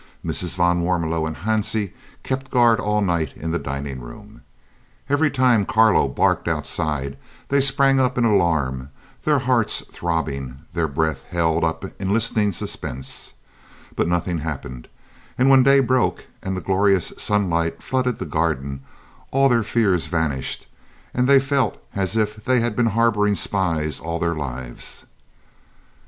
Mrs. van Warmelo and Hansie kept guard all night in the dining room. Every time Carlo barked outside they sprang up in alarm, their hearts throbbing, their breath held up in listening suspense, but nothing happened; and when day broke and the glorious sunlight flooded the garden, all their fears vanished, and they felt as if they had been harbouring spies all their lives.